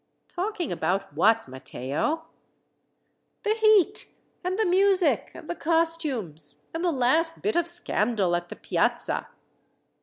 "Talking about what, Matteo?" "The heat, and the music, and the costumes, and the last bit of scandal at the Piazza."